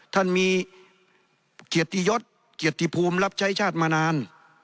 ท่านมีเกียรติยศเกียรติภูมิรับใช้ชาติมานาน